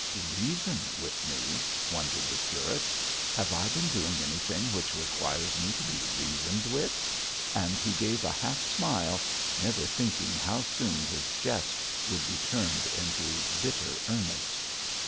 'Reason with me,' wondered the curate. 'Have I been doing anything which requires me to be reasoned with?' and he gave a half smile, never thinking how soon his jest would be turned into bitter earnest.